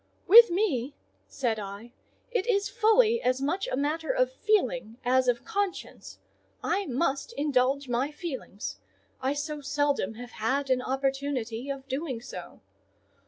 "With me," said I, "it is fully as much a matter of feeling as of conscience: I must indulge my feelings; I so seldom have had an opportunity of doing so.